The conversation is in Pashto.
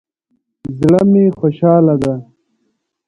زړه می خوشحاله ده